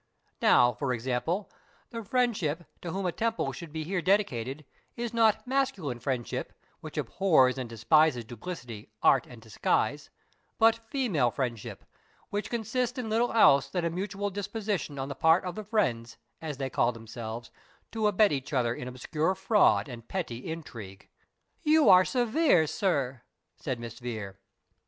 Now, for example, the Friendship to whom a temple should be here dedicated, is not Masculine Friendship, which abhors and despises duplicity, art, and disguise; but Female Friendship, which consists in little else than a mutual disposition on the part of the friends, as they call themselves, to abet each other in obscure fraud and petty intrigue." "You are severe, sir," said Miss Vere.